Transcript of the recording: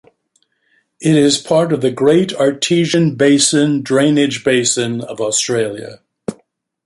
It is part of the Great Artesian Basin drainage basin of Australia.